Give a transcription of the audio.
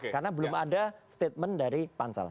karena belum ada statement dari pansel